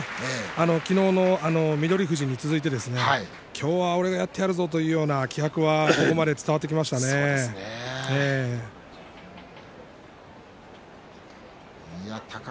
昨日の翠富士に続いて今日は俺がやってやるぞという気迫がここまで伝わってきました。